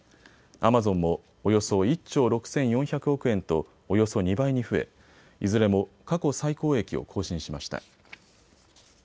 アマゾンもおよそ１兆６４００億円とおよそ２倍に増え、いずれも過去最高益を更新しました。